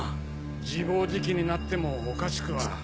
自暴自棄になってもおかしくは。